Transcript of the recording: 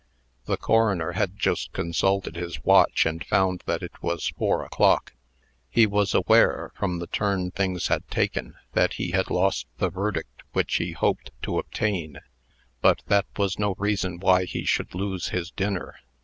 The coroner had just consulted his watch, and found that it was four o'clock. He was aware, from the turn things had taken, that he had lost the verdict which he hoped to obtain; but that was no reason why he should lose his dinner.